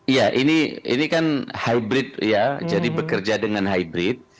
iya ini kan hybrid ya jadi bekerja dengan hybrid